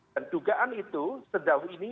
dan dugaan itu sejauh ini